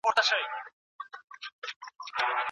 پخواني سفیران د بهرنیو هیوادونو قانوني خوندیتوب نه لري.